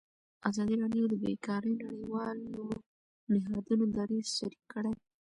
ازادي راډیو د بیکاري د نړیوالو نهادونو دریځ شریک کړی.